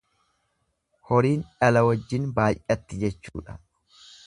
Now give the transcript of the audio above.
Horiin dhala wajjin baay'atti jechuudha